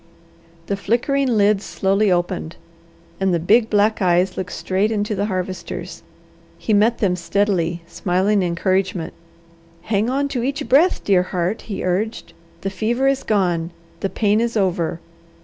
The flickering lids slowly opened, and the big black eyes looked straight into the Harvester's. He met them steadily, smiling encouragement. "Hang on to each breath, dear heart!" he urged. "The fever is gone. The pain is over!